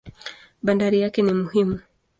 Bandari yake ni muhimu.